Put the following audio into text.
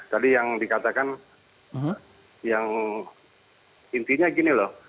tadi yang dikatakan yang intinya gini loh